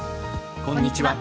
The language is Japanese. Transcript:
こんにちは。